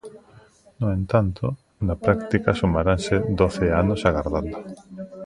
No entanto, na práctica sumaranse doce anos agardando.